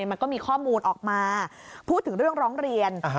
มันก็มีข้อมูลออกมาพูดถึงเรื่องร้องเรียน